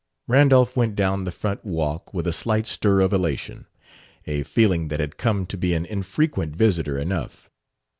Randolph went down the front walk with a slight stir of elation a feeling that had come to be an infrequent visitor enough.